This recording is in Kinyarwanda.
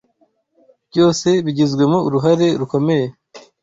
byose bigizwemo uruhare rukomeye